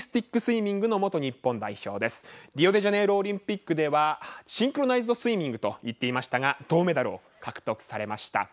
リオデジャネイロオリンピックではシンクロナイズドスイミングといっていましたが銅メダルを獲得されました。